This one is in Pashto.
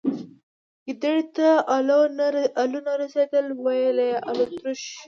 گيدړي ته الو نه رسيدل ، ويل يې الوتروش.